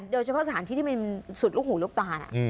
โดยเฉพาะสถานที่ที่มันสุดลูกหูลูกตา